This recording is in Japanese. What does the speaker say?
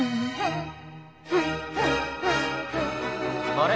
あれ？